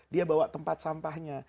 dia bawa tempat sampahnya